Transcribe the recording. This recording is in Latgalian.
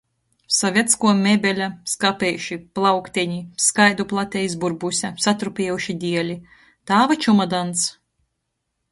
Sovetskuo mebele, skapeiši, plaukteni, skaidu plate izburbuse, satrupiejuši dieli. Tāva čumadans.